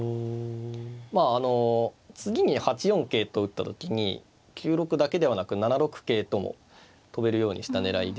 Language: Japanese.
まああの次に８四桂と打った時に９六だけではなく７六桂とも跳べるようにした狙いで。